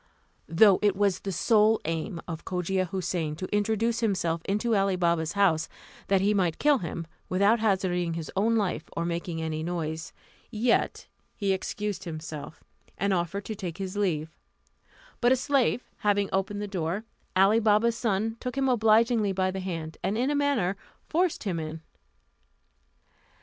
Though it was the sole aim of Cogia Houssain to introduce himself into Ali Baba's house, that he might kill him, without hazarding his own life or making any noise, yet he excused himself, and offered to take his leave; but a slave having opened the door, Ali Baba's son took him obligingly by the hand, and, in a manner, forced him in.